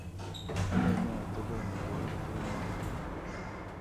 Ane ne achope amitwogikap kemoi